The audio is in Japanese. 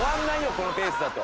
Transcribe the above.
このペースだと。